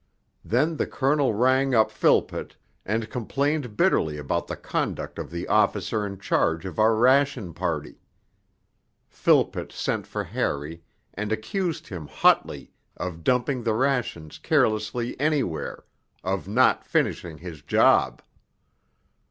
Then the Colonel rang up Philpott, and complained bitterly about the conduct of the officer in charge of our ration party. Philpott sent for Harry and accused him hotly of dumping the rations carelessly anywhere, of not finishing his job.